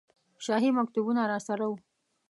شاهي مکتوبونه راسره وو.